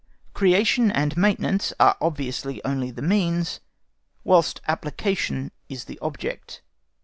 Creation and maintenance are obviously only the means, whilst application is the object.